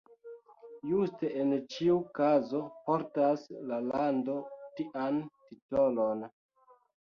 Juste en ĉiu kazo portas la lando tian titolon!